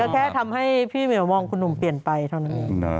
แค่ทำให้พี่เหมียวมองคุณหนุ่มเปลี่ยนไปเท่านั้นเอง